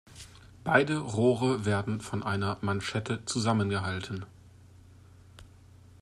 Beide Rohre werden von einer Manschette zusammengehalten.